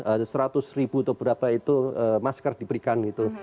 ada seratus ribu atau berapa itu masker diberikan gitu